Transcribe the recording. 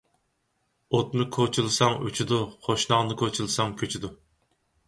ئوتنى كوچىلىساڭ ئۆچىدۇ، قوشناڭنى كوچىلىساڭ كۆچىدۇ.